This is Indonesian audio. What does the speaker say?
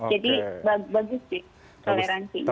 jadi bagus sih toleransinya